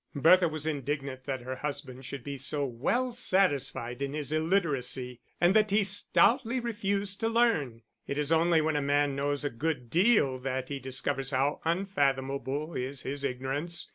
Bertha was indignant that her husband should be so well satisfied in his illiteracy, and that he stoutly refused to learn. It is only when a man knows a good deal that he discovers how unfathomable is his ignorance.